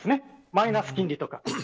マイナス金利とか。